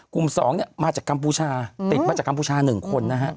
กลุ่ม๒มาจากกัมพูชา๑คน